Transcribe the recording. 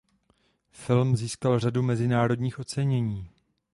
Film získal řadu mezinárodních ocenění.